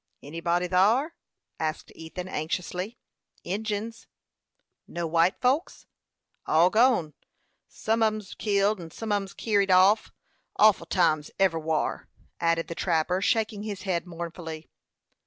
"Anybody thar?" asked Ethan, anxiously. "Injins." "No white folks?" "All gone: some on 'em's killed, and some on 'em's kerried off. Awful times, everywhar," added the trapper, shaking his head mournfully.